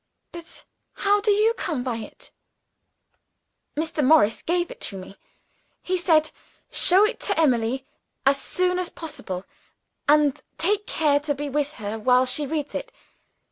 "But how do you come by it?" "Mr. Morris gave it to me. He said, 'Show it to Emily as soon as possible; and take care to be with her while she reads it.